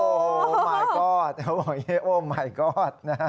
โอ้มายก็อดเขาบอกโอ้มายก็อด